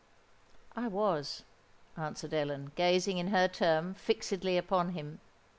"I was," answered Ellen, gazing, in her turn, fixedly upon him.